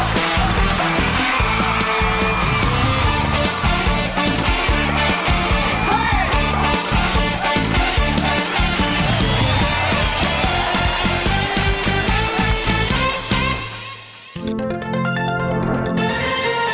โปรดติดตามตอนต่อไป